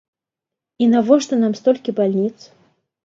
І навошта нам столькі бальніц?